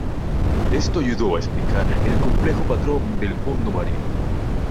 Esto ayudó a explicar el complejo patrón del fondo marino.